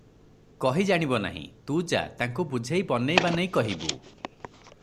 କହି ଜାଣିବ ନାହିଁ, ତୁ ଯା, ତାଙ୍କୁ ବୁଝେଇ ବନେଇ ବାନେଇ କହିବୁ ।"